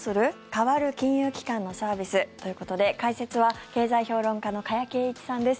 変わる金融機関のサービスということで解説は経済評論家の加谷珪一さんです。